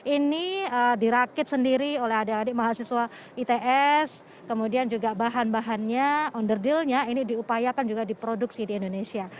ini dirakit sendiri oleh adik adik mahasiswa its kemudian juga bahan bahannya under dealnya ini diupayakan juga diproduksi di indonesia